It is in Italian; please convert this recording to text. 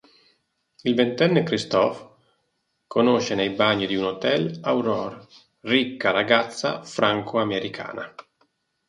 Il ventenne Christophe conosce nei bagni di un hotel Aurore, ricca ragazza franco-americana.